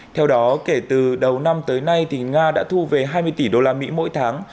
theo đó kể từ đầu năm tới nay nga đã thu về hai mươi tỷ đô la mỹ mỗi tháng